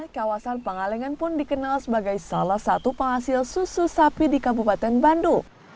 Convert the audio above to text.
kawasan pangalengan pun dikenal sebagai salah satu penghasil susu sapi di kabupaten bandung